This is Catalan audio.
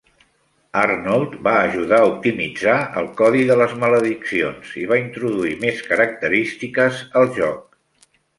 Arnold va ajudar a optimitzar el codi de les malediccions i va introduir més característiques al joc.